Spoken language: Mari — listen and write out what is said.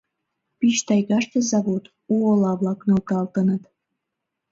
Пич тайгаште завод, у ола-влак нӧлталтыныт.